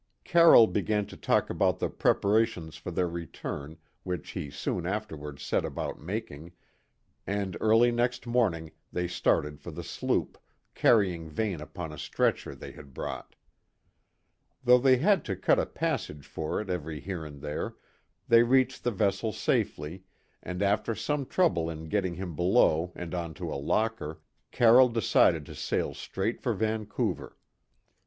Carroll began to talk about the preparations for their return, which he soon afterwards set about making, and early next morning they started for the sloop, carrying Vane upon a stretcher they had brought. Though they had to cut a passage for it every here and there, they reached the vessel safely, and after some trouble in getting him below and on to a locker, Carroll decided to sail straight for Vancouver.